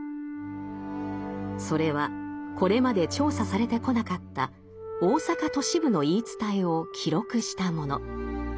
それはこれまで調査されてこなかった大阪都市部の言い伝えを記録したもの。